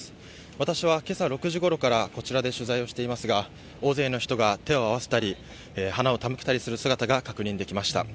私はけさ６時ごろから、こちらで取材をしていますが、大勢の人が手を合わせたり、花を手向けたりする姿が確認できました。